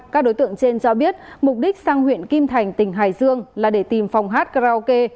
các đối tượng trên cho biết mục đích sang huyện kim thành tỉnh hải dương là để tìm phòng hát karaoke